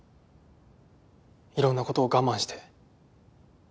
いろんな事を我慢して。